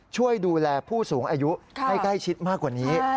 ช่วยดูแลผู้สูงอายุให้ใกล้ชิดมากกว่านี้